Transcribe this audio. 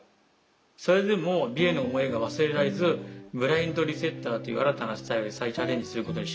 それでも美への思いが忘れられずブラインドリセッターという新たなスタイルに再チャレンジすることにしました」。